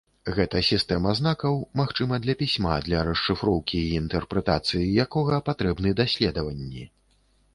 Гэта сістэма знакаў, магчыма для пісьма, для расшыфроўкі і інтэрпрэтацыі якога патрэбны даследаванні.